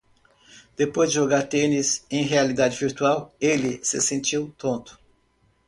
Depois de jogar tênis em realidade virtual? ele se sentiu tonto.